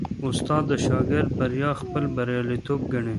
استاد د شاګرد بریا خپل بریالیتوب ګڼي.